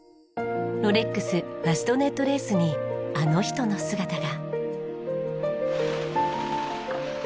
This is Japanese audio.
ロレックス・ファストネットレースにあの人の姿が。